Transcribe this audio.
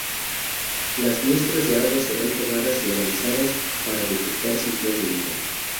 Las muestras de agua serán tomadas y analizadas para detectar signos de vida.